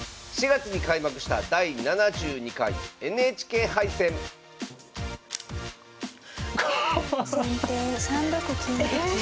４月に開幕した第７２回ＮＨＫ杯戦先手３六金打。